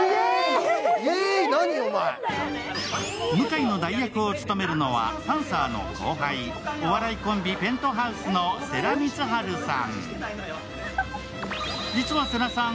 向井の代役を務めるのは、パンサーの後輩、お笑いコンビ・ぺんとはうすの世良光治さん。